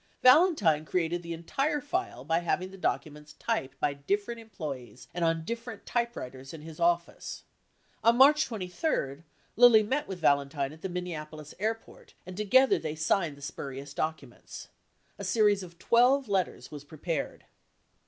Valentine created the entire file by having the documents typed by different employees and on different typewriters in his office. On March 23, Lilly met with Valentine at the Minneapolis Airport and together they signed the spurious documents. A series of twelve letters was prepared.